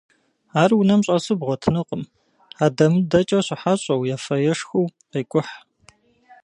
Ар унэм щӏэсу бгъуэтынукъым, адэмыдэкӏэ щыхьэщӏэу, ефэ-ешхэу къекӏухь.